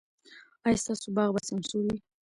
ایا ستاسو باغ به سمسور وي؟